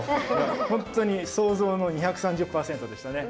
本当に想像の２３０％でしたね。